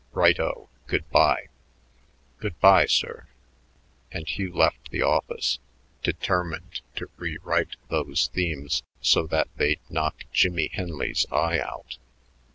"Right o. Good by." "Good by, sir," and Hugh left the office determined to rewrite those themes so that "they'd knock Jimmie Henley's eye out."